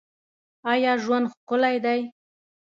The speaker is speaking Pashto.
آیا ژوند ښکلی دی؟